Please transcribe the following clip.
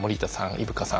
井深さん